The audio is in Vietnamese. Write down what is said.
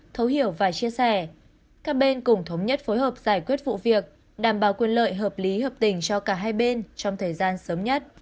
thấu hiểu và chia sẻ các bên cùng thống nhất phối hợp giải quyết vụ việc đảm bảo quyền lợi hợp lý hợp tình cho cả hai bên trong thời gian sớm nhất